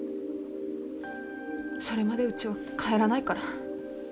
それまでうちは帰らないから。